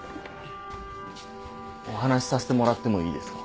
お話させてもらってもいいですか？